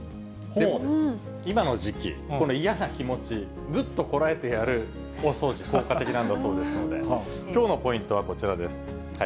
でも、今の時期、この嫌な気持ち、ぐっとこらえてやる大掃除、効果的なんだそうで、きょうのポイントはこちらです。